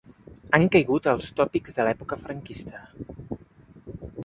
Han caigut als tòpics de l’època franquista.